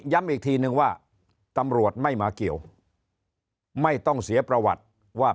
อีกทีนึงว่าตำรวจไม่มาเกี่ยวไม่ต้องเสียประวัติว่า